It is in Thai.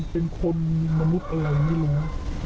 เป็นคนมนุษย์อะไรไม่รู้